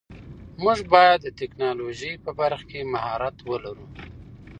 موږ باید د ټیکنالوژۍ په برخه کې مهارت ولرو.